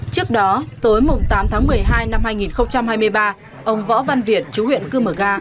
trước đó tới mùng tám tháng một mươi hai năm hai nghìn hai mươi ba ông võ văn việt chú huyện cư mở ga